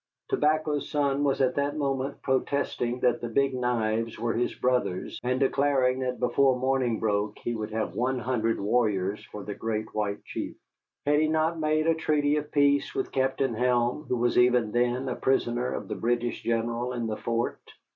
Tobacco's Son was at that moment protesting that the Big Knives were his brothers, and declaring that before morning broke he would have one hundred warriors for the Great White Chief. Had he not made a treaty of peace with Captain Helm, who was even then a prisoner of the British general in the fort?